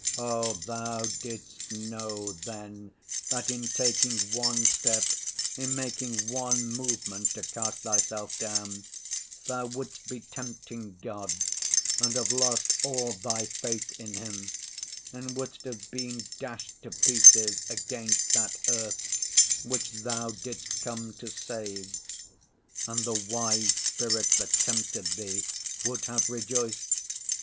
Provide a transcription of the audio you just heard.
Oh, Thou didst know then that in taking one step, in making one movement to cast Thyself down, Thou wouldst be tempting God and have lost all Thy faith in Him, and wouldst have been dashed to pieces against that earth which Thou didst come to save. And the wise spirit that tempted Thee would have rejoiced.